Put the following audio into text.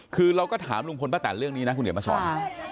คือเราก็ถามลุงพลป้าแต่นเรื่องนี้นะคุณเดี๋ยวมาสอน